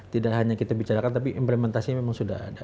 tidak hanya kita bicarakan tapi implementasinya memang sudah ada